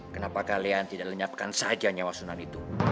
kenapa kalian tidak lenyapkan saja nyawa sunan itu